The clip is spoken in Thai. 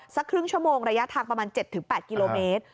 สักครึ่งชั่วโมงระยะทางประมาณ๗๘กิโลเมตร